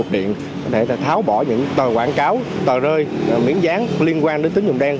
để tháo bỏ những tờ quảng cáo tờ rơi miễn gián liên quan đến tính dụng đen